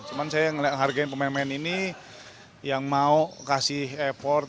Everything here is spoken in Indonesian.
cuma saya hargai pemain pemain ini yang mau kasih effort